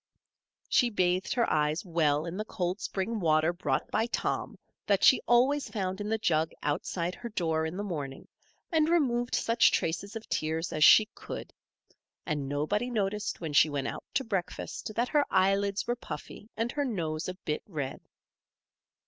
She bathed her eyes well in the cold spring water brought by Tom that she always found in the jug outside her door in the morning, and removed such traces of tears as she could; and nobody noticed when she went out to breakfast that her eyelids were puffy and her nose a bit red.